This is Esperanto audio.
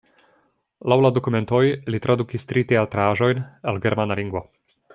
Laŭ la dokumentoj li tradukis tri teatraĵojn el germana lingvo.